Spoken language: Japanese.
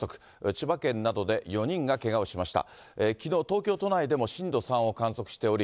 千葉県などで４人がけがをしました。